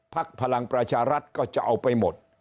พลังประชารัฐก็จะเอาไปหมด